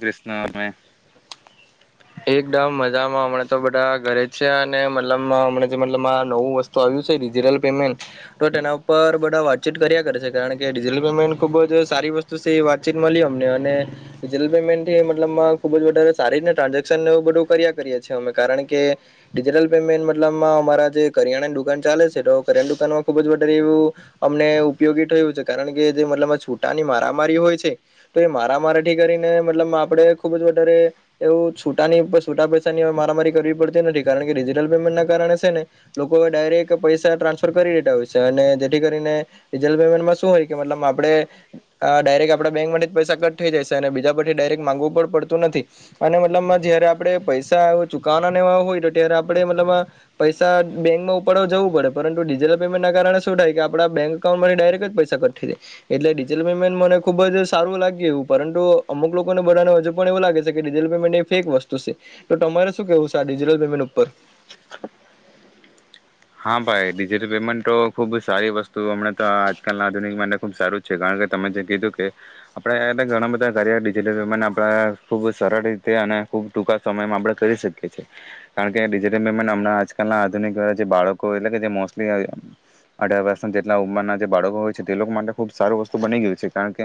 ક્રિષ્ણમે એકદ મજામાં હમણાં તો બધા ઘરે છે અને મતલબ હમ જે મતલબ નવું વસ્તુ આવ્યું છે ડિજિટલ પેમેન્ટ તો તેના ઉપર બધા વાતચીત કર્યા કરે છે કારણ કે ડિજિટલ પેમેન્ટ ખુબ જ સારી વસ્તુ છે વાતચીત મળી અમને અને ડિજિટલ પેમેન્ટથી મતલબમાં ખુબ જ વધારે સારી રીતના ટ્રાન્ઝેક્શન એવ બધું કર્યા કરીએ છીએ અમે કારણ કે ડિજિટલ પેમેન્ટ મતલબમાં અમારા જે કરિયાણાની દુકાન ચાલે છે તો કરિયાણા દુકાનમાં ખુબ જ વધારે એવું અમને ઉપયોગી થયું છે કારણ કે જે મતલબ છૂટાની મારામારી હોય છે તો એ મારામારી ઠીક કરીને મતલબ આપડે ખુબ જ વધારે એવું છૂટાની છૂટા પૈસાની મારામારી કરવી પડતી નથી કારણ કે ડિજિટલ પેમેન્ટ ના કારણે છે ને લોકોવે ડાયરેક્ટ પૈસા ટ્રાન્સફર કરી દેતા હોય છે અને જેથી કરીને ડિજિટલ પેમેન્ટમાં શું હોય કે મતલબ આપણે ડાયરેક્ટ આપડા બેંકમાંથી જ પૈસા કટ થઈ જાય છે બીજા પછી ડાયરેક્ટ માંગવું પણ પડતું નથી અને મતલબમાં જયારે આપણે પૈસા એ ચુકવા નેવા હોય તો ત્યારે આપણે મતલબ પૈસા બેંકમાં ઉપાડવા જવું પડે પરંતુ ડિજિટલ પેમેન્ટ ના કારણે શું થાય કે આપડા બેંક અાઉન્ટમાંથી ડાયરેક્ટ જ પૈસા કઠી જાય એટલે ડિજિટલ પેમેન્ટ મને ખુબ જ સારું લાગ્યું પરંતુ અમુક લોકોને બધાને હજુ પણ એવું લાગે છે કે ડિજિટલ પેમેન્ટ એ ફેક વસ્તુ છે તો તમારે શું કેવું છે આ ડિજિટલ પેમેન્ટ ઉપર હા ભાઈ ડિજિટલ પેમેન્ટ તો ખુબ સારી વસ્તુ હમણાં તો આજકાલના આધુનિક ખૂબ સારું જ છે કારણ કે તમે જે કીધું કે આપણે ઘણા બધા કાર્ય ડિજિટલ પેમેન્ટ આપણા ખૂબ સરળ રીતે અને ખૂબ ટૂંકા સમયમાં આપડણે કરી શકીએ છીએ કારણ કે ડિજિટલ પેમેન્ટ હમણાં આજકાલના આધુનિક બાળકો એટલે કે જેલી અઢાર વર્ષ જેટલા ઉંમરના જે બાળકો હોય છે તે લોકો માટે ખુબ સારું વસ્તુ બની ગયું છે કારણ કે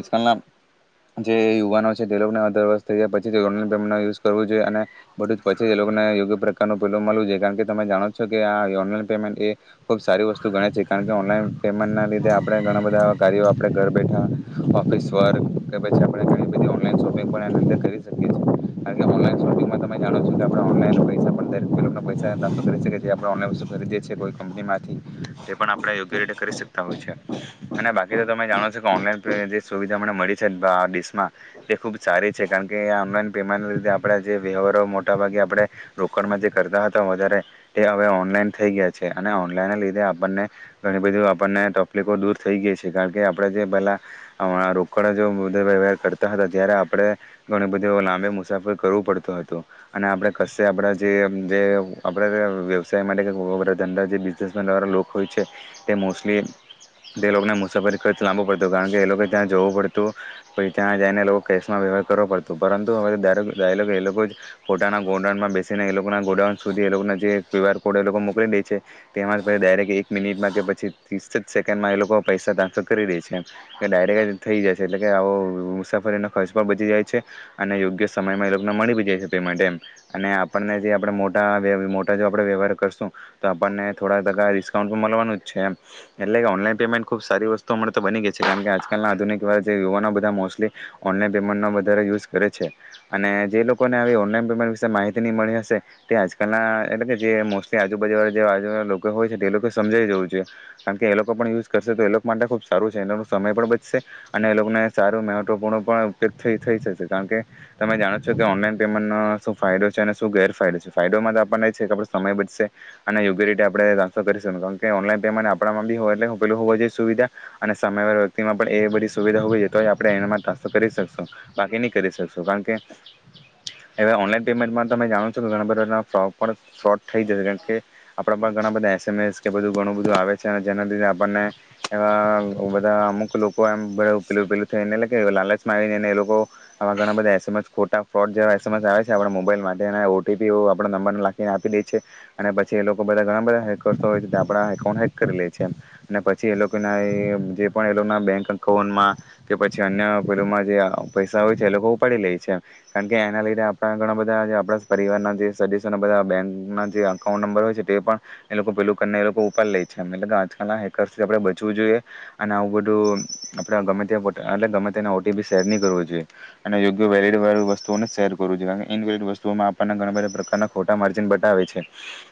આજકાલના જે યુવાનો છે તે લોકોને અઢર વર્ષ થઈયા પછી ઓલાનન્ટ યુઝ કરવું જોઈએ અને બધું જ પછી એ લોકોને યોગ્ય પ્રકાર ન પેલો મળવું જોઈએ કારણ કે તમે જાણો છકે આ ઓનલાઈન પેમેન્ટ એ ખૂબ સારી વસ્તુ ગણે છે કારણ કે ઓનલાઈન પેમેન્ટના લીધે આપણે ઘણા બધા કાર્યો આપણે ઘર બેઠા ઓફિસ વર્ક કે પછી આપણે ઘણી બધી ઓનલાઈન શોપિંગ પણ એના લીધે કરી શકીએ છીએ કારણ કે ઓનલાઈન શોપિંગમાં તમે જાણો છો કે આપણે ઓનલાઈન પૈસા પણ દરેક કિલોના પૈસા નાતો કરી શકીએ આપણે ઓનલાઈન વસ્તુ ખરીદીએ છએ કોઈ કંપની માંથી તે પણ આપણે યોગ્ય રીતે કરી શકતા હોય છે અને બાકી તો તમે જાણો છો કે ઓનલાઈન જે સુવિધાને મળી છે ડીશમાં તે ખૂબ સારી છે કારણ કે ઓનલાઈન પેમેન્ટ લીધે આપણે જે વ્યવહારો મોટાભાગે આપણે રોકડમાં જે કરતા હતા વધારે એ હવે ઓનલાઈન થઈ ગયા છે અને ઓનલાઈનને લીધે આપણને ઘણી બધી આપણને તકલીકોો દૂર થઈ ગઈ છે કારણ કે આપણે જે પહેલાં રોકડ જે બધ વ્યવહાર કરતા હતા ત્યારે આપણે ઘણીું બધી લાંબે મુસાફરી કરવું પડતું હતું અને આપણે કશે આપણા જે જે આપણે વ્યવસાય માટે બધા ધંધા જે બિઝનેસમેન વાળા લોકો હોય છે તે મોસ્ટલી તે લોકોને મુસાફરી ખર્ચ લંબવો પડતો કારણ કે એ લોકો ત્યાં જોવું પડતું પછી ત્યાં જઈને લોકોશમાં વ્યવહાર કરવાો પડતો તો પરંતુ હવે દરેક જ એ લોકો કે એ લોકો જ પોોતાના ગોડાઉનમાં બેસીને એ લોકોના ગોડાઉન સુધી એ લોકોના જે ક્યુ આર કોડ એ લોકો મોકલી દે છે તેમાંછ ડાયરેક એક મિનિટમાં કે પછી ત્રીસ સેકન્ડમાં એ લોકો પૈસા ટ્રાન્સફર કરી દે છે કે ડાયરેક્ટ થઈ જશે એટલે કે આવો મુસાફરી એનો ખર્ચ પણ બચી જાય છે અને યોગ્ય સમયમાં એ લોકોને મળી બી જાય છે પેમેન્ટ એમ અને આપણને જે આપણે મોટા જો આપણે વ્યવહાર કરશું તો આપણને થોડા ટકા ડિસ્કાઉન્ટ પણ મળવાનું જ છેમ એટલે કે ઓનલાઈન પેમેન્ટ ખુબ સારી વસ્તુઓ મળ તો બની ગઈ છે કારણ કે આજકાલ ના આધુનિક યુવાનો બધા મોસ્ટલી ઓનલાઈન પેમેન્ટ ન વધારે યુઝ કરે છે અને જે લોકોને આવી ઓનલાઈન પેમેન્ટ વિશે માહિતી ન મળી હશે તે આજકાલના કે જે મોસ્ટલી આજુબાજુ વાળા જે આજુ લોકો હોય છે તે એ લોકો સમજાઈી જવું જોઈએ કારણ કે એ લોકો પણ યુઝ કરશે તો એ લોકો માટે ખુબ સારું છે એ લોકો સમય પણ બચશે અને એ લોકોને સારું મહવ ૂ ઉપયોગ થ થઈશે કારણ કે તમે જાણો છો કે ઓનલાઈન પેમેન્ટ ફાયદો છે અને શું ગેરફાયદો છે ફાયડોમાં છે કે આપો સમય બચશે અને યોગ્ય રિટી આપણે ટ્રાન્સફર કરી શકી કારણ કે ઓનલાઈન પેમેન્ટ આપણામાં બી હોય એલેેલું હોવ જોઈએ સુવિધા અને સમયવાળ વ્યક્તિમાં પણ એ બધી સુવિધા હોવી જોઈએ તો આપણે એમાં ટ્રાન્ફ કરી શએ બાકી નહી કરી શકશો કારણ કે હવે ઓનલાઈન પેમેન્ટમાં તમે જાણો છો કે ઘણા બધાધ ફ્રોક પણ શોટ થઈ જશે કારણ કે આપણા પા ઘણા બધા એસએમ એસ એ બધું ઘણું બધું આવે છે અને જેના લીધે આપણને એવા બધા અમુક લોકો એમ બધેલું પેલું થઈને એટલે કે લાલચમાં આવી નઈ ને એ લોકો આવા ઘણા બધા એસએમએસ ખોટા ફ્રોડ જેવા એસએમએસ આવે છે આપણા મોબાઈલ માટે એના ઓટીપી આપણા નંબરને લાગે આપી દે છે અને પછી એ લોકો બધાં ઘણા બધાં. હેક કરતો હોય આપણા એકાઉન્ટ હેક કરી લે છે અને પછી એ લોકોના જે પણ એ લોકોના બેંક અકાઉન્ટમાં કે પછી અન્ય પેલુમાં જે અ પૈસા હોય છે એ લોકો ઉપાડી લે છે કારણ કે એના લીધે આપણા ઘણાં બધાં આપણા પરિવારના જે સદસ્યોના બધાં બેકમાં જે અકાઉન્ટ નંબર હોય છે તે પણ એ લોકો પેલું કરને એ લોકો ઉપાર લે છે આજકાલ હેકર્સથી આપરે બચવું જોઈએ અને આવ બધું આપડે ગમે ત્યાં પોટ એટલે ગમે તેને ઓટીપી શેરની કરવો જોઈએ અને યોગ્ય વેલીડવાળું વસ્તુઓનું જ શેર કરવું જોઈએ ઈનવેડ વસ્તુઓમાં આપનાં ઘણાં બધાં પ્રકારનાં માર્જિન બતાવે છે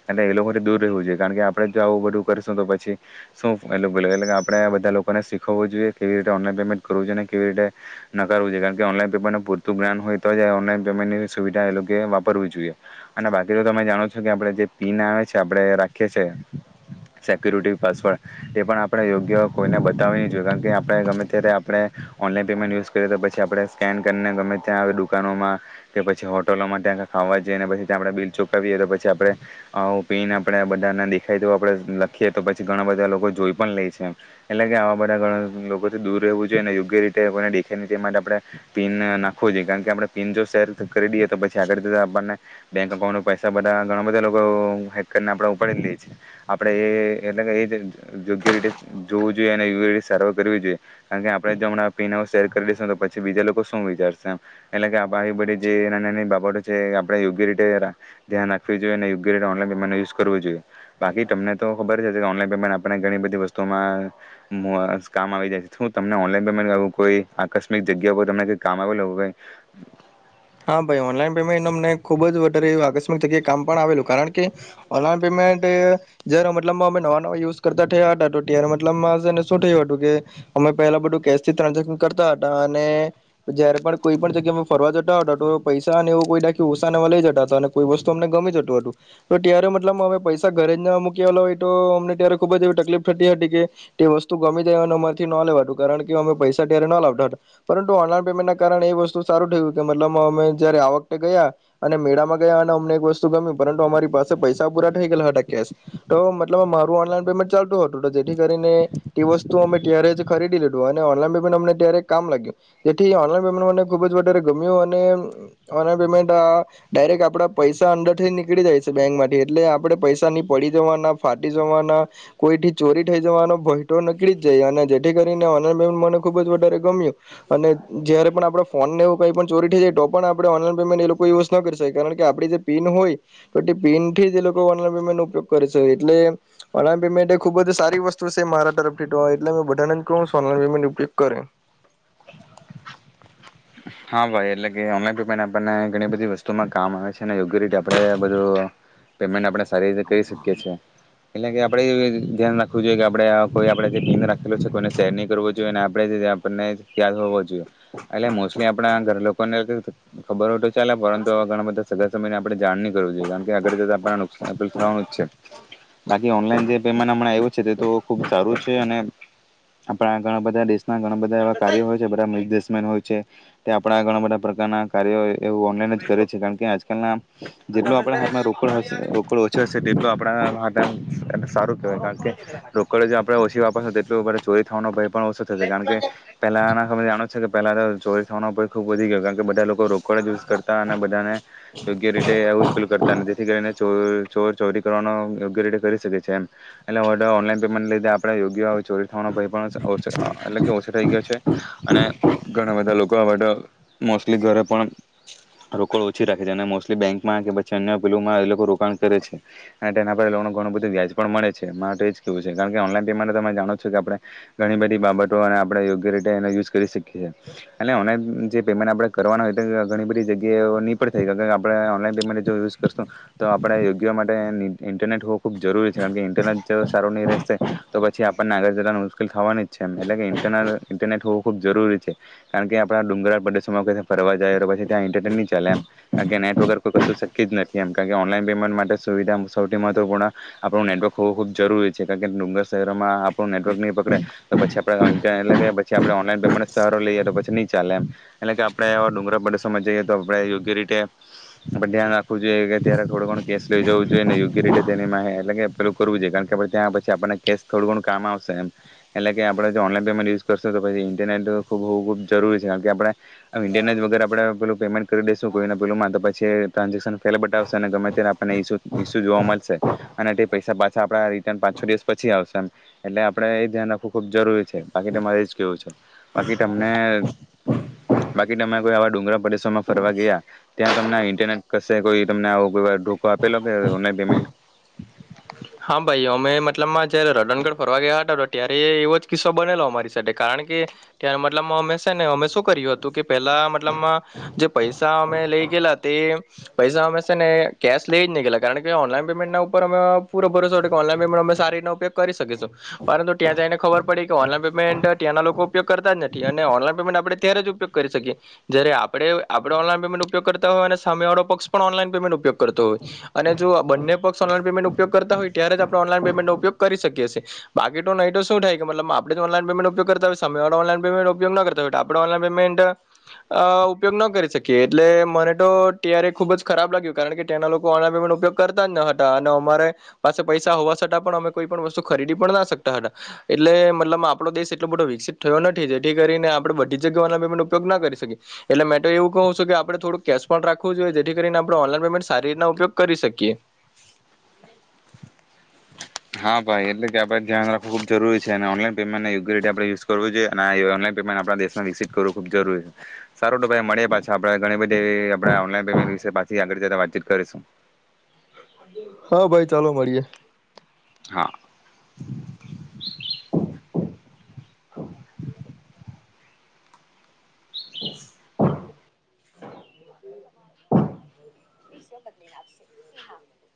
એટલે એ લોકોથી દૂર રહેવું જોઈએ કારણ કે આપણેે જો આવું બધું કરીશું તો પછી શું એટલે પેલે એટલે કે આપણે બધાં લોકોને શીખવવું જોઈએ કેવી રીતે ઓનલાઈન પેમેન્ટ કરવું જોઈએ ને કેવી રીતે નકારવું જોઈએ કારણ કે ઓનલાઈન પેમેન્ટનું પૂરતું જ્ઞાન હોય તોજ આ ઓનલાઈન પેમેન્ટની સુવિધા એ વાપરવી જોઈએ. અને બાકી તો તમે જાણો છો કે આપણે જે પિન આવે છે આપણે રાખીએ છીએ સેક્યુરિટી પાસવર્ડ એ પણ આપણે યોગ્ય કોઈને બતાવીની જોઈએ કારણ કે આપણે ગમે ત્યારે આપણે ઓનલાઈન પેમેન્ટ યુઝ કરીએ તો પછી આપણે સ્કેન કરીને ગમે ત્યાં આવી દુકાનોમાં કે પછી હોટલોમાં ત્યાં ખાવા જઈએ ને પછી આપણે બિલ ચુકવીએ તો પછી આપડે આવું પીન આપડે બધાને દેખાય તો આપડે લખીએ તો પછી ઘણાં બધાં લોકો જોઈ પણ લે છે એટલે કે આવાં બધાં ઘણાં લોકોથી દૂર રહેવું જોઈએ અને યોગ્ય રીતે કોને દેખાયની તે માટે આપડે પીન નાખવું જોઈએ કારણ કે આપણે પીન જો શેર કરી દઈએ તો પછી આગળ જતા આપણને બેંક અકાઉન્ટના પૈસા બધાં ઘણાં બધાં લોકો હેક કરીને આપણે ઉપાડી લઈએ છીએ આપણે એટલે કે એ જ યોગ્ય રીતે જોવું જોઈએ અને [unintelligible] સર્વ કરવી જોઈએ. કારણ કે આપડે જમણા પિન શેર કરી દેશું તો પછી બીજા લોકો શું વિચારશે આમ એટલે કે આવી બધી જે નાની નાની બાબતો છે આપડે યોગ્ય રીતે ધ્યાન રાખવી જોઈએ ને યોગ્ય રીતે ઓનલાઈન પેમેન્ટનો યુઝ કરવો જોઈએ. બાકી તમને તો ખબર જ હશે કે ઓનલાઈન આપણે ઘણી બધી વસ્તુમાં કામ આવી જાય હુ તમને ઓનલાઈન પેમેન્ટ કોઈ આકસ્મિક જગ્યા પર તમને જે કામ આવેલું હોવે હા ભાઈ, ઓનલાઈન પેમેન્ટ અમને ખૂબ જ વધારે આકસ્મિક જગ્યાએ કામ પણ આવેલું કારણ કે ઓનલાઈન પેમેન્ટ જયારે મતલબમાં અમે નવા નવા યુઝ કરતા થયા હતાં તો ત્યારે મતલબમાં શું થયું હતું કે અમે પેલા બધું કેશ થી ટ્રાન્ઝેક્શન કરતા હતા અને જયારે પણ કોઈ પણ જગ્યા અમે ફરવા જ તો પૈસાને એવું કોઈ દાખી ઉસા એવા લઈ જતાં હતા અને કોઈ વસ્તુ અમને ગમી જતું હતું તો ત્યારે મતલબ અમે પૈસા ઘરે જ ના મૂકયાવલો હોય તો અમને ત્યારે ખૂબ જ એવી તકલીફ થતી હતી કે તે વસ્તુ ગમી જાય અને અમારથી ન લેવાતું કારણ કે અમે પૈસા ત્યારે ન લાવતા હતા પરંતુ ઓનલાઈન પેમેન્ટના કારણે એ વસ્તુ સારું થયું. કે મતલબ અમે જયારે આ વખતે ગયાં અને મેળામાં ગયાં અને અમને કોઈ વસ્તુ ગમ્યું પરંતુ અમારી પાસે પૈસા પૂરા થઈ ગેલા હતાં કેશ તો મતલબ મારું ઓનલાઈન પેમેન્ટ ચાલતું હતું તો જેથી કરીને તે વસ્તુ અમે ત્યારે જ ખરીદી લીધું અને ઓનલાઈન પેમેન્ટ અમને ત્યારે કામ લાગ્યું જેથી ઓનલાઈન પેમેન્ટ મને ખૂબ જ વધારે ધુમિયો અને ઓનલાઈન પેમેન્ટ આ ડાયરેક્ટ આપડા પૈસા અંંદરથી નીકળી જાય છે બેંકમાંથી એટલે આપણે પૈસાની પડી જવાના, ફાટી જવાના, કોઈથી ચોરી થઈ જવાનો ભયતો નીકળી જ જાય અને જેથી કરીને ઓનલાઈન પેમેન્ટ મને ખૂબ જ વધારે ગમ્યું અને જયારે પણ આપડા ફોનને એવુ ચોરી થઈ જાય તો પણ આપડે ઓનલાઈન પેમેન્ટ એલોકો યુઝના કરી સાય કારણ કે આપરી જે પિન હોય તો તે પિનથી જ એ લોક ઓનલાઇન પેમેન્ટ નો ઉપયોગ કરે છે એટલે ઓનલાઈન પેમેન્ટ એ ખૂબ જ સારી વસ્તુ છે મારા તરફથી તો એટલે બધાંને કઉ છું ઓનલાઈન પેમેન્ટનો ઉપયોગ કરે. [inaudible] હા ભાઈ, એટલે કે ઓનલાઈન પેમેન્ટ આપણને ઘણી બધી વસ્તુમાં કામ આવે છે અને યોગ્ય રીતે આપરે બધું પેમેન્ટ આપણે સારી રીતે કરી શકીએ છીએ. એટલે કે આપરે ધ્યાન રાખવું જોઈએ કે આપરે આ કોઈ આપણે જે પિન રાખેલો છે કોઈને શેરની કરવો જોઈએ ને આપણે જે આપણને યાદ હોવો જોઈએ એટલે મોસ કે આપરા ઘર લોકોને [unintelligible] ખબર હોય તોજ ચાલે પરંતુ આવા ધણાં બધાં સદ ગમ્મે તે આપરે જ. જાણની કરવું જોઈએ કારણ કે આગળ જતા આપણે નુકસાન થવાનું છે બાકી ઓનલાઈન જે પેમેન્ટ આવ્યું છે તેતો ખૂબ સારું છે અને આપણા ઘણાં બધાં દેશ ઘણાં બધાં એવા કાર્યો હોય છે બઘાં મિકદેશ. પણ હોય છે. ત્યાં આપણા ઘણાં બધાં પ્રકારનાં કાર્યો એવું ઓનલાઈન જ કરે છે કારણ કે આજકાલના જેટલો આપણા હાથમાં રોકડ હશે રોકડ ઓછી હશે તેટલો આપણા હાથ એમ સારું કહેવાય કારણ કે રોકડ જે આપણે ઓછી વાપરશું તે ચોરી થવાનો ભય પણ ઓછું થશે કારણ કે પેલાના સમયે જાણો છો કે પેલાતો જો થવાનો ભય ખૂબ વધી ગયો કારણ કે બધાં લોકો રોકડજ યુઝ કરતા અને બધાંને યોગ્ય રીતે આવુંજ પેલુ કરતા જેથી કરીને ચોર ચોર ચોરી કરવાનો યોગ્ય રીતે કરી શકી છ છે એમ એટલે ઓર્ડર ઓનલાઈન પેમેન્ટને લીધે આપણે યોગ્ય ચોરી થવાનો ભય પણ ઓછ અ એટલે કે ઓછો થઈ ગયો છે. અને ઘણા બધા લો તો હવે તો મોસ્ટલી ઘરે પણ રોકડ ઓછી રાખે છે અને મોસ્ટલી બેંકમાં કે પછી અન્ય પેલુમાં એ લોકો રોકાણ કરે છે અને તેના પર લો ઘણું બધું વ્યાજ પણ મળે છે મારે તો એજ કેવું છે કારણ કે ઓનલાઈન પેમેન્ટ તમે જાણો છો કે આપણે ઘણી બધી બાબતો અને આપણે યોગ્ય રીતે એને યુઝ કરી શકીએ છે. એટલે ઓનલાઈન જે પેમેન્ટ આપણે કરવાના હોય તો ઘણી બધી જગ્યાએ નહીં પણ થઈ કારણ કે આપણે ઓનલાઈન પેમેન્ટ જો યુઝ કરશું તો આપણે યોગ્ય માટે ઇન્ટરનેટ હોવું ખૂબ જરૂરી છે કારણ કે ઇન્ટરનેટ જો સારું નહીં રહેશે તો પછી આપણને આગળ જવાનું મુશ્કેલ થવાની જ છે એમ એટલે કે ઇરને ઇન્ટરનેટ હોવું ખૂબ જરૂરી છે. કારણ કે આપણા ડુંગર પ્રદેશોમાં કેથે ફરવા જાય તો પછી ત્યાં ઇન્ટરટેન નહી ચાલે એમ કારણ કે નેટ વગર કોઈ કશું શક્ય જ નથી એમ કારણ કે ઓનલાઈન પેમેન્ટ માટે સુવિધા સૌથી મહત્વપૂર્ણ આપણું નેટવર્ક હોવું ખૂબ જરૂરી છે કારણ કે ડુંગર શહેરોમાં આપણુ નેટવર્કની પકડે તો પછી આપે એટ પછી આપણે ઓનલાઈન પેમેનટ સહારો લઈએ તો ની ચાલે એમ એટલે કે આપણે ડુંગળ પડોશો મા જઈએ તો આપણે યોગ્ય રીતે ધ્યાન રાખવું જોઈએ કે ત્યારે થોડું ઘણું કેશ લઈ જવું જોઈએ ને યોગ્ય રીતે તેની એટલે પેલું કરવું જોઈએ કારણ કે ત્યાં પછી આપણને કેશ થોડું ઘણું કામ આવશે એમ એટલે કે આપણે જો ઓનલાઈન પેમેન્ટ યુઝ કરશું તો પછી ઇન્ટરનેટ ખૂબ ખૂબ જરૂરી છે કારણ કે આપણે ઇનટરનેટનને જ વગર આપણે પેલું પેમેન્ટ કરી દઈશું કોઈને પેલુંમાં તો પછી એ ટ્રાન્ઝેક્શન ફેલ બતાાવશે અને ગમે ત્યારે આપણનેઈશુ ઇસ્યુ જોવા મળશે અને તે પૈસા પાછા આપણા રિટર્ન પાંચ છ દિવસ પછી આવશે એમ એટલે આપણે એ ધ્યાન રાખવું ખૂબ જરૂરી છે બાકી તો મારે જ કેવું છે. બાકી તમને બાકી તમે કોઈ આવા ડુંગળ પરેદેસોરમાં ફરવા ગયા ત્યાં તમને ઇન્ટરનેટ કશે કોઈ તમને આવો કોઈ વાર ધોકો આપેલો કે ઓનલાઈન પેમેન્ટ હા ભાઈ અમે મતલબમાં જયારે રતનગઢ ફરવા ગયા હતા ત્યારે એવો જ કિસ્સો બનેલો અમારી સાથે કારણ કે ત્યારે મતલબ અમે છે ને અમે શું કર્યું હતું કે પેલા મતલબમાં જે પૈસા અમે લઈ ગયેલા તે પૈસા અમે છે ને કેશ લઈ જ નહી ગયેલા કારણ કે ઓનલાઈન પેમેન્ટના ઉપર અમે પૂરો ભૂરોસો હતો કે ઓનલાઈન પેમેન્ટ અમે સારીતના ઉપયોગ કરી શકીશું પરંતુ ત્યાં જઈને ખબર પડી કે ઓનલાઈન પેમેન્ટ ત્યાંના લોકો ઉપયોગ કરતા જ નથી અને ઓનલાન પેમેન્ટ આપણે ત્યારે જ ઉપયોગ કરી શકીએ જ્યારે આપણે આપણે ઓનલાન પેમેન્ટ ઉપયોગ કરતા હોય અને સામે વાળો પક્ષ પણ ઓનલાન પેમેન્ટ ઉપયોગ કરતો હોય અને જો બંને પક્ષ ઓનલાન પેમેન્ટ ઉપયોગ કરતા હોય ત્યારે જ આપણે ઓનલાઈન પેમેન્ટ ન ઉપયોગ કરી શકીએ છીએ બાકી નહી તો શું થાય કે મતલબ આપણે ઓનલાઈન પેમેન્ટ ઉપયોગ કરતા હોય ઓનલાઈન પેમેન્ટ ઉપયોગ કરતા હોય તો આપણે ઓનલાઈન પેમેન્ટ ઉપયોગ ન કરી શકીએ એટલે મને તો ત્યારે ખુબ જ ખરાબ લાગ્યું કારણ કે તેંના લોકો ઓનલાઈન પેમેન્ટ ઉપયોગ કરતા જ ન હતા અને અમારે પાસે પૈસા હોવા છતાં પણ અમે કોઈ પણ વસ્તુ ખરીદી પણ ના શકતા હતા એટલે મતલબ આપડો દેશ એટલો બધો વિકસિત થયો નથી જેથી કરીને આપણેે બધી જગ્યા ઓનલાઈન પેમેન્ટ ઉપયોગ ના કરી શકીએ એટલે મે એવું કહું છું કે આપણે થોડું કેશ પણ રાખવું જોઈએ જેથી કરીને આપડ ઓનલાઈન પેમેન્ટ સારી રીતના ઉપયોગ કરી શકીએ હા ભાઈ એટલે કે [unintelligible] ધ્યાન રાખવુ ખૂબ જરૂરી છે અને ઓનલાઈન પેમેન્ટ ને યોગ્ય રીતે આપણે યુઝ કરવું જોએ અને ઓનલાન પેમેન્ટ આપણા દેશમાં વિકસીત કરવું ખુબ જરૂરી સારું તો ભાઈ મળે પાછા આપણેે બધી આપણે ઓનલાઈન પેમેન્ટ વિશે પાછા થી આગળ જતા વાતચીત કરીશું હા ભાઈ ચાલો મળીએે હા [inaudible]